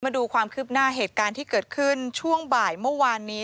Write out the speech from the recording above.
มาดูความคืบหน้าเหตุการณ์ที่เกิดขึ้นช่วงบ่ายเมื่อวานนี้